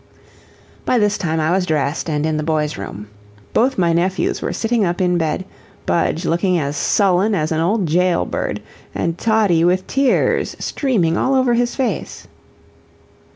By this time I was dressed and in the boy's room. Both my nephews were sitting up in bed, Budge looking as sullen as an old jail bird, and Toddie with tears streaming all over his face.